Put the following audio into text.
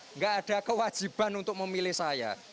enggak ada kewajiban untuk memilih saya